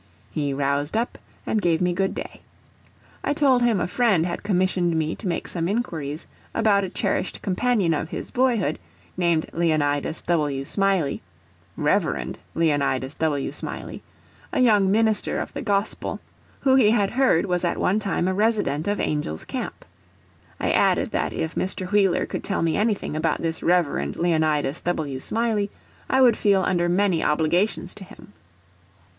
He roused up, and gave me good day. I told him a friend had commissioned me to make some inquiries about a cherished companion of his boyhood named Leonidas W. Smiley—Rev. Leonidas W. Smiley, a young minister of the Gospel, who he had heard was at one time a resident of Angel's Camp. I added that if Mr. Wheeler could tell me anything about this Rev. Leonidas W. Smiley, I would feel under many obligations to him.